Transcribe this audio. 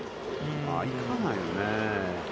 いかないよね。